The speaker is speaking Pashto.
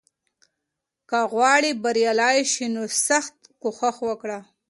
که غواړې بریالی شې، نو سخت کوښښ وکړه.